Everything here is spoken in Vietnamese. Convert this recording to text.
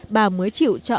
bà mới chịu cho ông hiến máu